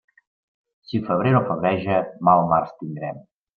Si febrer no febreja, mal març tindrem.